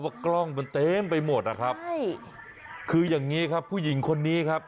กล้องมันเต็มไปหมดนะครับใช่คืออย่างงี้ครับผู้หญิงคนนี้ครับ